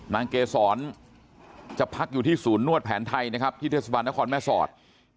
นางเกษรจะพักอยู่ที่ศูนย์นวดแผนไทยนะครับที่เทศบาลนครแม่สอด